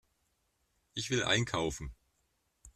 Ich will einkaufen.